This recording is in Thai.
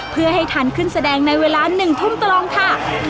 เพื่อให้ทันขึ้นแสดงในเวลา๑ทุ่มตรงค่ะ